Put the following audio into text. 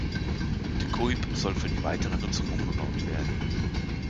De Kuip soll für die weitere Nutzung umgebaut werden.